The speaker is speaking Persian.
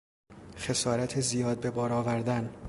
خسارت زیاد به بار آوردن